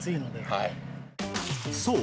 ［そう。